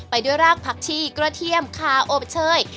ไปด้วยรากผักชีกระเทียมขาอบเชย